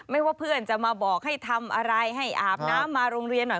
ว่าเพื่อนจะมาบอกให้ทำอะไรให้อาบน้ำมาโรงเรียนหน่อย